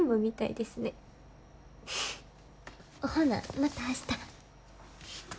ほなまた明日。